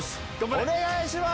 お願いします！